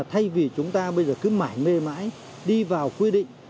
thay vì chúng ta bây giờ cứ mãi mê đi vào quy định